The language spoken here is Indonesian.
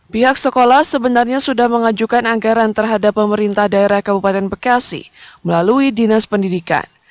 pihak sekolah sebenarnya sudah mengajukan anggaran terhadap pemerintah daerah kabupaten bekasi melalui dinas pendidikan